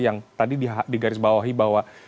yang tadi digarisbawahi bahwa